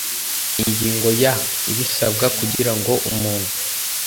ingingo ya…: ibisabwa kugirango umuntu